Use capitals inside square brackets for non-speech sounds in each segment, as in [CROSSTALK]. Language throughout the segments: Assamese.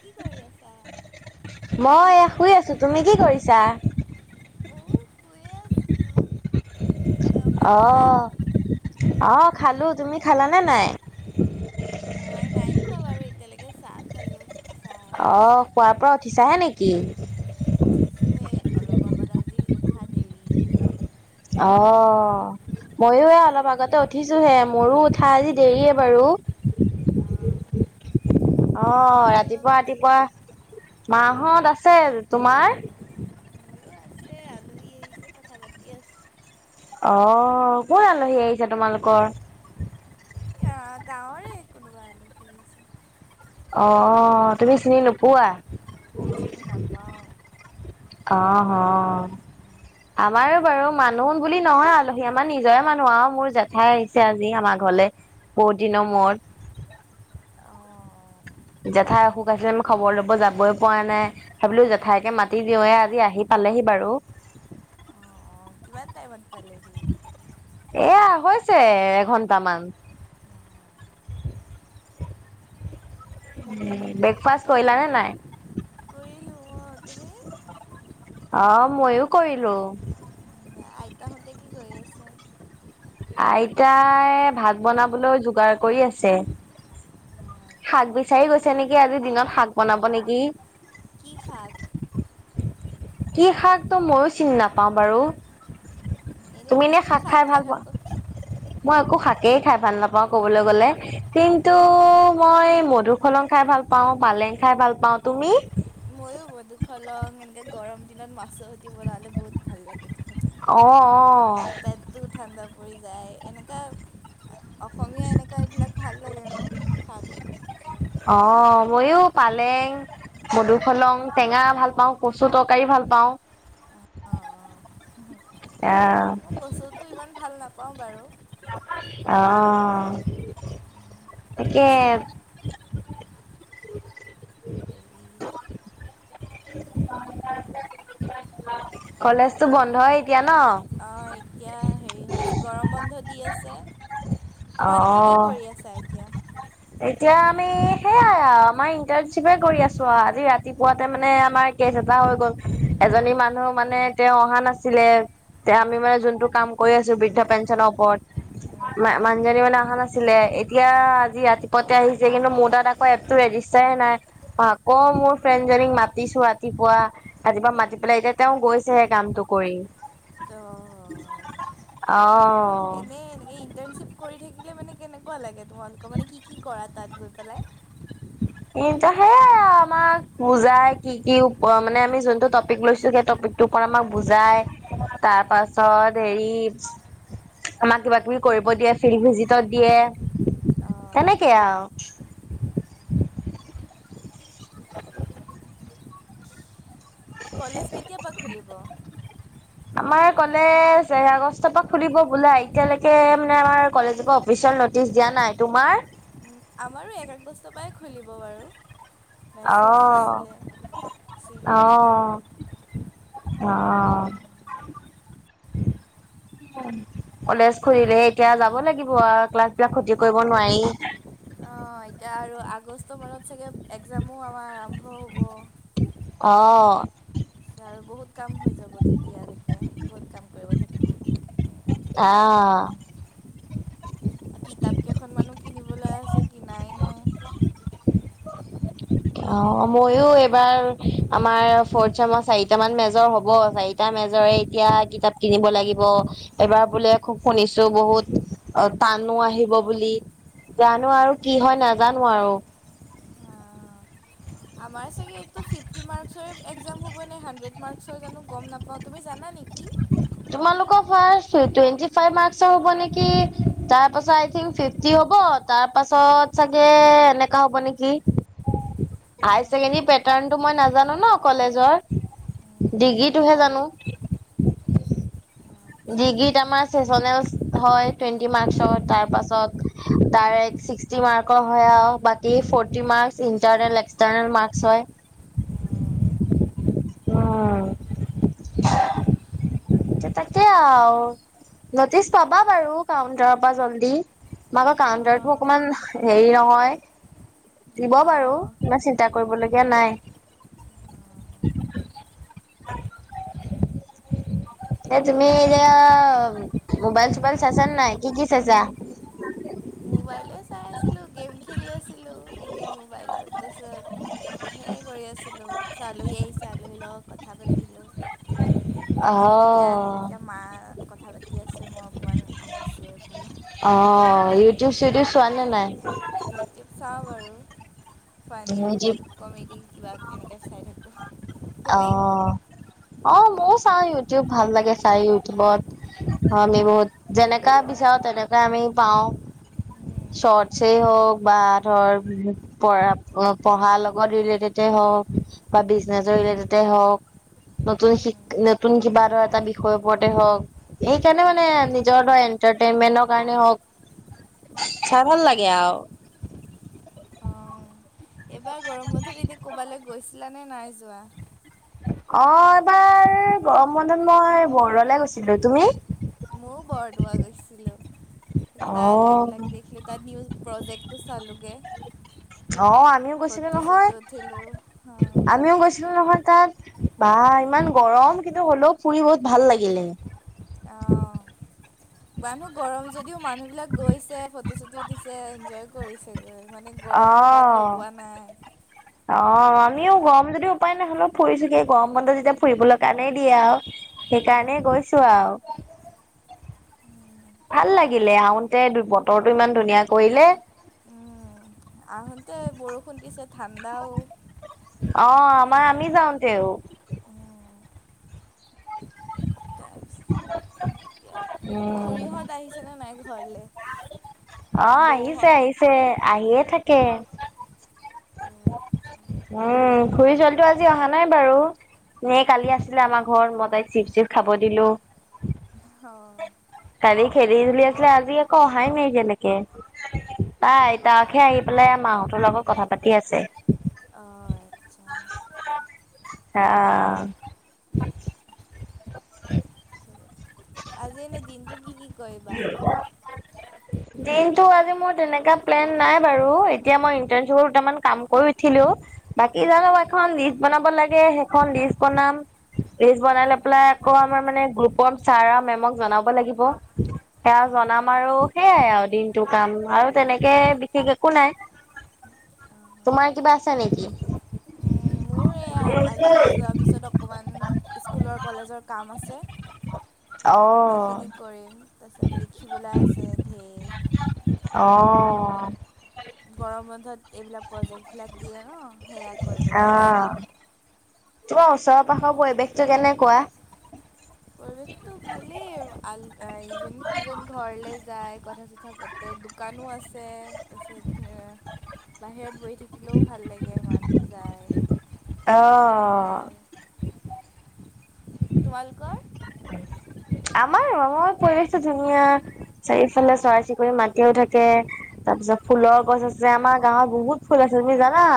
কি কৰি আছা? মই এয়া শুই, আছো তুমি কি কৰিছা? ময়ো শুইয়ে আছিলো। ভাত অ খালা? আহ খালো, ' তুমি খালানে নাই? অ নাই খোৱা বাৰু এতিয়ালৈকে চাহ খালো চাহ। অ বিস্কুট। শুৱাৰ পৰা উঠিছাহে নেকি? উঠিছোঁহে অলপ আগত আজি উঠা দেৰি। অ ময়ো এ তুমি? অলপ আগতে উঠি উঠিছো হে মোৰো উঠা আজি দেৰিয়ে বাৰু। অঁ, অ মাহঁত ক'লৈ ৰাতিপুৱা গ'ল? ৰাতিপুৱা মাহত আছে তোমাৰ মোৰো আছে আলহী আহিছে কথা পাতি আছে। অ', কোন আলহী আহিছে তোমালোকৰ? গাঁৱৰে কোনোবা আলহী। অ, ' তুমি চিনি নোপোৱা? মই চিনি নাপাওঁ। অ আহ্। আমাৰো বাৰু মানুহ বুলি নহয় আলহী আমাৰ নিজৰে মানুহ আৰু মোৰ জেঠাই আহিছে। আজি আমাৰ ঘৰলৈ বহুত দিনৰ মূৰত অ। জেঠাই অসুখ আছে মই খবৰ ল'ব যাবই পৰা নাই। সেইবোলো জেঠাইকে মাতি দিওঁৱে আজি আহি পালেহি বাৰু। অ', অ', কিমান টাইমত পালেহি? এয়া হৈছে এঘন্টামান। ব্ৰেকফাষ্ট কৰিলানে নাই? কৰিলোঁ অ' তুমি? অ মইয়ো কৰিলো। উম, আইতাহঁতে কি কৰি আছে? আইতাই ভাত বনাবলৈ যোগাৰ কৰি আছে। শাক আচ্ছা বিচাৰি গৈছে নেকি, আজিৰ দিনত শাক বনাব নেকি। কি শাক? কি শাক ত' মইও চিনি নাপাওঁ বাৰু। তুমি এনে শাক খাই ভাল পোৱা? মই একো শাকেই খাই ভাল নাপাওঁ কবলৈ গলে কিন্তু, মই মধুসলন খাই ভাল পাওঁ, পালেং খাই ভাল পাওঁ। তুমি? মইয়ো মধুসলন এনেকে গৰম দিনত মাছৰ সৈতে বনালে বহুত ভাল লাগে খাই। অঁ অঁ। পেটটো ঠাণ্ডা পৰি যায়। এনেকা অসমীয়া এনেকুৱা এইবিলাক ভাল লাগে ন? খাই অঁ মইয়ো পালেং মধুসলন টেঙা ভাল পাওঁ, কচু তৰকাৰী ভাল পাওঁ। অ' অঁ। এয়া মই কচুতো ইমান ভাল নাপাওঁ বাৰু। অঁ। তাকে [INAUDIBLE] হেৰি কলেজটো বন্ধ এতিয়া ন? অঁ এতিয়া হেৰি হৈ আছে, গৰম বন্ধ দি আছে। তোমালোকে কি অ', কৰি আছা এতিয়া? এতিয়া আমি সেইয়াই আৰু আমাৰ ইণ্টাৰ্ণশ্বিপে কৰি আছো আৰু আজি ৰাতিপুৱাতে মানে আমাৰ কেছ এটা হৈ গ'ল এজনী মানুহ মানে তেওঁ অহা নাছিলে। এতিয়া উম, আমি মানে যোনটো কাম কৰি আছো বৃদ্ধ পেঞ্চনৰ ওপৰত। অঁ, মানুহজনী মানে অহা নাছিলে এতিয়া হয় আজি ৰাতি পুৱাতে আহিছে কিন্তু, মোৰ তাত আকৌ এপটো ৰেজিষ্টাৰে নাই। অ আকৌ মোৰ ফ্ৰেণ্ডজনীক মাতিছো ৰাতিপুৱা। ৰাতিপুৱা মাতি পেলাই এতিয়া তেওঁ গৈছেহে কামটো কৰি। অ'। অহহ'। এ ইণ্টাৰ্ণশ্বিপ কৰি থাকিলে মানে কেনেকুৱা লাগে তোমালোকৰ? মানে কি কি কৰা তাত গৈ পেলাই? সেইয়াই আমাক বুজাই কি কি মানে আমি যোনটো টপিক লৈছো সেই টপিক ত আমাক বুজাই তাৰপাছত হেৰি আমাক কিবা কিবি কৰিব দিয়ে, ফিল্ড ভিজিতত দিয়ে। তেনেকে আৰু। কলেজ কেতিয়াৰ পৰা খুলিব? [INAUDIBLE] আমাৰ কলেজ এ আগষ্টৰ পৰা খুলিব বোলে এতিয়ালৈকে মানে আমাৰ কলেজৰ পৰা অফিচিয়েল নটিচ দিয়া নাই। তোমাৰ? আমাৰো এক আগষ্ট পৰাই খুলিব বাৰু। মেছেজ দিছিলে অহ চিং দাদাহঁতে। অহহ'। কলেজ খুলিলে এতিয়া যাব লাগিব আৰু। ক্লাছ বিলাক খতি কৰিব নোৱাৰি। অঁ এতিয়া আৰু আগষ্ট মানত চাগে এক্সামো আমাৰ আৰম্ভ হ'ব। অঁ। আচ্ছা আৰু বহুত কাম হৈ যাব তেতিয়ালৈকে বহুত কাম কৰিব থাকিব। আহ। কিতাপ কেইখনমানো কিনিবলৈ আছে কিনাই নাই। [UNINTELLIGIBLE] অ মইয়ো এইবাৰ আমাৰ ফৰ্ট চেমৰ চাৰিটা মান মেজৰ হব, চাৰি টা মেজৰে এতিয়া কিতাপ কিনিব লাগিব এবাৰ বোলে খুব শুনিছো বহুত- অ টানো আহিব বুলি জানো আৰু কি হয় নাজানো আৰু। আমাৰ চাগে এইটো ফিফটি মাৰ্কৰে একজাম হ'ব নে হাড্ৰেড মাৰ্কৰ জানো গমা নাপাওঁ তুমি জানা নেকি? তোমালোকৰ ফাৰ্ষ্ট টুৱেটি ফাইভ মাৰ্ক্স হব নেকি, তাৰ পাছত - থং ফিফটি হ'ব তাৰ পাছত চাগে এনেকা হ'ব নেকি? হাই ছেকেণ্ডাৰী পেটাৰণটো মই নাজানো ন কলেজৰ। ডিগ্ৰীটোহে জানো। ডিগ্ৰীত আমাৰ চেচনেল হয় টুৱেণ্টি মাৰ্কচৰ তাৰ পাছত ডাইৰেক্ট ছি- ক্সটি মাৰ্কৰ হয় আৰু বাকী forty marks internal external marks হয়। উম এতিয়া তাকে আও নটিচ পাবা বাৰু কাউণ্টাৰৰ পৰা জল্দি। মাকৰ কাউন্টাৰতো অঁ অকমান হেৰি নহয়। দিব বাৰু অঁ ইমান চিন্তা কৰিবলগীয়া নাই। এ তুমি এতিয়া মোবাইল চোবাইল চাইচা নাই কি কি চাইছা? মোবাইলে চাই আছিলো গেম খেলি আছিলো এনেই মোবাইলত তাৰপিছত - সেইয়ে কৰি আছিলো, তাৰ পাছত আলহী আহিছে আলহীৰ লগত কথা পাতিলো। [UNINTELLIGIBLE] তাৰ পাছত এতিয়া অহ এতিয়া মা কথা পাতি আছে মই অকণমান আহিছোঁ এইফালে - অ ইউটিউব চিটিউব চোৱা নে নাই? ইউটব চাও বাৰু ফনিৰ ইউটিউব বিলাক - কমেডি কিবা এনেকৈ চাই থাকোঁ। অ তুমি অ ম‌ইয়ো চাওঁ ইউটিউব ভাল লাগে চাই ইউটিউবত - হয় আমি বহুত যেনেকা বিচাৰো তেনেকােৱাই আমি পাও - শৰ্টছেই হওক বা ধৰ- কৰা পঢ়াৰ লগত ৰিলেটেড হওক বা বিজনেচৰ ৰিলেটেড হওঁক - নতুন শিক নতুন কিবা এটা ধৰ বিষয়ৰ ওপৰতে হওক - এইকাৰণে মানে নিজৰ ধৰ এন্টাৰটেইনমেন্টৰ কাৰণে হওক - চাই ভাল লাগে আও। অ,। এইবাৰ গৰম বন্ধত এতিয়া ক'বালে গৈছিলা নে নাই যোৱা? অ এবাৰ গৰম বন্ধত মই বৰদোৱালে গৈছিলো, তুমি? ম‌ইয়ো বৰদোৱা গৈছিলো অ তাৰ এইবিলাক দেখিলো- তাত নিউ প্ৰজেক্টটো চালো গে। অ আমিও গৈছিলো নহয়, চটো উঠিলোঁ অঁ আমিও গৈছিলো নহয় তাত। বাহঃ ইমান গৰম কিন্তু হ'লেও ফুৰি বহুত ভাল লাগিলে। অঁ। ইমানো গৰম যদিও মানুহ বিলাক গৈছে ফটো চুট উঠিছে এনজয় কৰিছে। মানে অ গৰমটো গাত লগোৱা নাই। অ আমিও গৰম যদিও উপায় নাই হ'লেও ফুৰিছো গে, গৰম বন্ধ যেতিয়া ফুৰিবলৈ কাৰণেই দিয়ে আও। উম, সেইকাৰণেই গৈছো আও। উম। ভাল লাগিলে আহোতে দু বতৰটো ইমান ধুনীয়া কৰিলে। উম আহোঁতে বৰষুণ দিছে ঠাণ্ডাও, অ আমাৰ আমি তাৰপিছত যাওঁতেও, উম [UNINTELLIGIBLE] খুড়ীহঁত আহিছেনে নাই ঘৰলে? অ আহিছে বৌহঁত আহিছে আহিয়ে থাকে। অ উম খুৰী চোৱালীটো আজি অহা নাই বাৰু, এ কালি আছিলে আমাৰ ঘৰত মই তাইক চিপ চিপ খাব দিলো। অ কালি খেলি ধুলি আছিলে আজি একো অহাই নাই এতিয়ালৈকে। তাই আইতাকে হে আহি পেলাই মাহঁতৰ লগত কথা পাতি আছে। অ আহ [UNINTELLIGIBLE] আজি এনে দিনটো কি কি কৰিবা? [UNINTELLIGIBLE] দিনটো আজি মোৰ তেনেকা প্লেন নাই বাৰু এতিয়া মই ইন্টাৰ্নশ্বিপৰ দুটামান কাম কৰি উঠিলো। বাকী যানু মই এখন লিষ্ট বনাব লাগে সেইখন লিষ্ট বনাম। লিষ্ট বনাই লৈ পেলাই আকৌ আমাৰ মানে গ্ৰুপৰ ছাৰ মেমক জনাব লাগিব। সেয়া জনাম আৰু সেইয়াই আৰু দিনটো কাম আৰু তেনেকে বিশেষ একো নাই, তোমাৰ কিবা আছে নেকি? আ, আলহী যোৱাৰ পিছত অকমান স্কুলৰ কলেজৰ কাম আছে। অ', সেইখিনি কৰিম, তাৰ পিছত লিখিবলৈ আছে ধেৰ অ গৰম বন্ধত এইবিলাক প্ৰজেক্ট বিলাক দিয়ে ন সেয়া কৰিবলৈ আছে। আহ। তোমাৰ ওচৰৰ পাখৰ পৰিৱেশটো কেনেকুৱা? পৰিবেশতো ভালেই ইজন সিজন ঘৰলে যায় কথা চ, কথা পাতে দোকানো আছে তাৰপছত বাহিৰত বৈ, বহি থাকিলেও ভাল লাগে মানুহ যায় এতিয়া অ'। ভাল, তোমালোকৰ? আমাৰ ৰঙৰ পৰিৱেশটো ধুনীয়া চাৰিওফালে চৰাই চিৰিকতিয়ে মাতিয়েই থাকে। তাৰপিছত ফুলৰ গছ আছে আমাৰ গাঁৱত বহুত ফুল আছে তুমি জানা?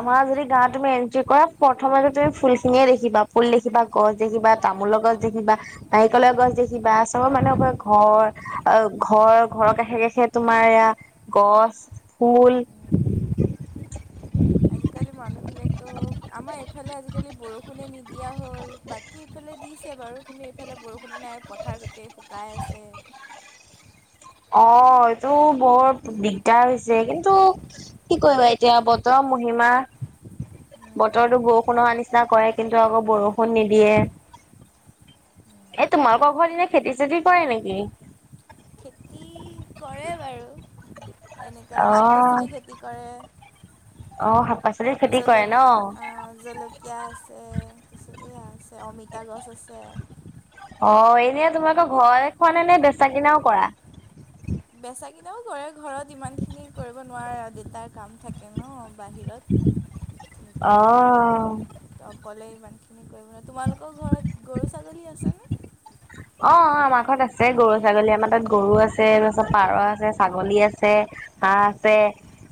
আমাৰ যদি গাৱত, তুমি এণ্ট্ৰি কৰা প্ৰথমতে তুমি ফুলখিনিয়ে দেখিবা, ফুল দেখিবা, গছ দেখিবা তামোলৰ গছ দেখিবা, নাৰিকলৰ গছ দেখিবা চবৰ মানুহে ক ঘৰ আহ ঘৰ ঘৰৰ কাষে কাষে তোমাৰ এয়া, গছ ফুল, [UNINTELLIGIBLE] আজিকালি মানুহ বিলাক, [UNINTELLIGIBLE] আমাৰ এইফালে আজিকালি বৰষুণে নিদিয়া হ'ল বাকী এইফালে দিছে বাৰু কিন্তু এইফালে বৰষুণে নাই, পথাৰ গোটেই শুকাই আছে। অ এইটো বৰ দিগদাৰ হৈছে কিন্তু, কি কৰিবা এতিয়া বতৰৰ মহিমা, বতৰতো বৰষুণ অহা নিচিনা কৰে কিন্তু আকৌ বৰষুণ নিদিয়ে। এই তোমালোকৰ ঘৰ এনে খেতি- চেতি কৰে নেকি? খেতি ক কৰে বাৰু এনেকুৱা শাক - অ', পাচলি খেতি কৰে অ, শাক পাচলিৰ খেতি কৰে ন? জলকীয়া আহ জলক কীয়া আছে, তাৰপিছত এইয়া আছে অমিতা গছ আছে অ এনে তোমালোকৰ ঘৰৰে খোৱা নে নে বেচা কিনাও কৰা? বেচা কিনাও কৰে ঘৰত ইমান খিনি কৰিব নোৱাৰে আৰু দেতাক কাম থাকে ন বাহিৰত অ', সেইকাৰণে। তো অকলে ইমানখিনি কৰিব নোৱাৰে। তোমালোকৰ ঘৰত গৰু ছাগলী আছেনে? অ অ আমাৰ ঘৰত আছে গৰু -ছাগলী আমাৰ তাত গৰু আছে,, তাৰপাছত পাৰ আছে, ছাগলী আছে হাঁহ আছে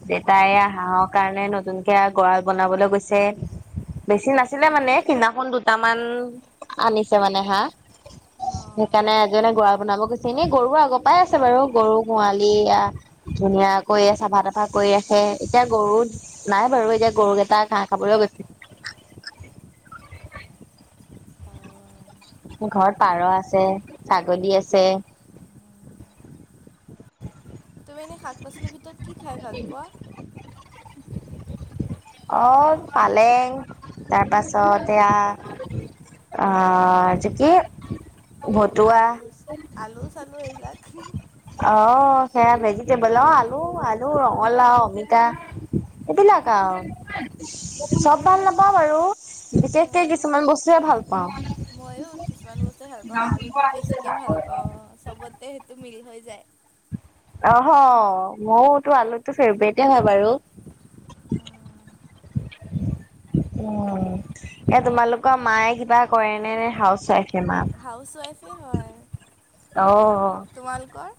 দেতাই এইয়া হাঁহৰ কাৰণে নতুনকে গড়াল বনাবলৈ গৈছে। বেছি নাছিলে মানে, সিদিনাখন দুটামান আনিছে মানে হাঁহ। সেইকাৰণে আজি এটা গড়াল বনাব গৈছে, এনে গৰু আগৰ পৰাই আছে বাৰু, গৰু গোহালি এইয়া ধুনীয়াকৈয়ে চাফা তাফা কৰি ৰাখে, এতিয়া গৰুত নাই বাৰু এতিয়া গৰুকেইটা ঘাঁহ খাবলৈ গৈছে। ঘৰত পাৰ আছে, ছাগলী আছে, তুমি এনে শাক- পাচলিৰ ভিতৰত কি খাই ভাল পোৱা? অঁহ পালেং তাৰপাছত এয়া আহ যি কি ভতুৱা খালো এইবিলাক হুহ হুহ অ সেয়া ভেজিটেবল, অ আলু- আলু, ৰঙালাও, অমিতা সেই বিলাক আৰু, চব ভাল নাপাওঁ বাৰু। বিশেষকে কিছুমান বস্তুহে ভাল পাওঁ। মইয়ো কিছুমান বস্তুৱে ভাল পাওঁ, আলুটো বেছিকে ভাল পাওঁ, চবতে সেইটো মিল হৈ যায়। অহ, মইওতো আলুটো ফেভাৰেতে হয় বাৰু। অ [UNINTELLIGIBLE] অ এ তোমালোকৰ মায়ে কিবা কৰে নে, নে হাউচ ৱাইফে মা? হাউচ ৱাইফেই হয়। অহ, তোমালোকৰ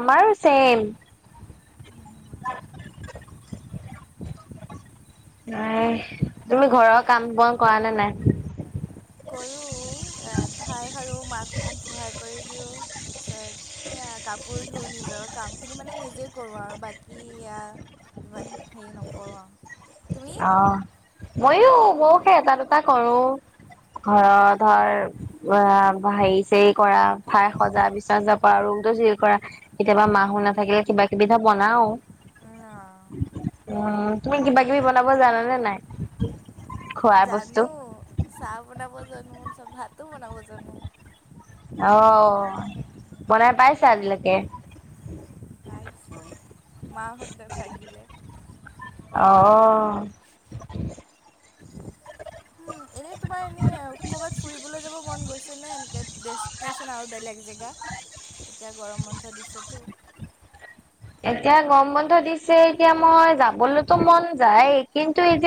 আমাৰো ছেম। [UNINTELLIGIBLE] নাই, হয় তুমি ঘৰৰ কাম বন কৰা নে নাই? কৰোঁ, ঠাই সাৰো, মাক অকণ সহায় কৰি দিওঁ, তাৰপিছত এয়া কাপোৰ ধোও, নিজৰ কাম খিনি মানে নিজেই কৰো আৰু বাকী এয়া ইমান হেৰি নকৰোঁ আৰু তুমি অহ, মইও - মইও সেই এটা দুটা কৰো ঘৰত ধৰ অ হেৰি চেৰি কৰা, ঠাই সজা, বিচনা ৰুমটো চিজিল কৰা, কেতিয়াবা মাও নাথাকিলে কিবা কিবি এটা বনাও আৰু নহ উম, তুমি কিবা কিবি বনাব জানা নে নাই? খোৱাৰ বস্তু জানো চাহ বনাব জানো, তাৰপিচত ভাতো বনাব জানো। অহ, বনাই পাইছা আজিলৈকে? পাইছো, মাহঁতে থাকিলে [UNINTELLIGIBLE] অহ। [UNINTELLIGIBLE] এ' তোমাৰ এনেই কৰ'বাত ফুৰিবলৈ যাব মন গৈছে নে এনেকে ডেষ্টিনেশচন আৰু বেলেগ জেগাত? এতিয়া গৰম বন্ধ দিছেতো। এতিয়া গৰম বন্ধ দিছে, এতিয়া মই যাবলৈটো মন যায়, কিন্তু এতিয়া